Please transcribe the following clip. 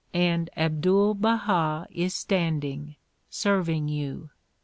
And Abdul Baha is standing, serving you.